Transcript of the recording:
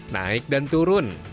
naik dan turun